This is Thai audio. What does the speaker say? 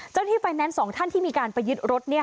เจ้าหน้าที่ไฟแนนซ์๒ท่านที่มีการไปยึดรถ